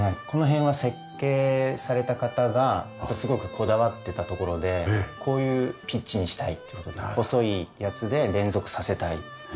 この辺は設計された方がすごくこだわってたところでこういうピッチにしたいという事で細いやつで連続させたい。